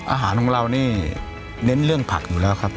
อาหารของเรานี่เน้นเรื่องผักอยู่แล้วครับ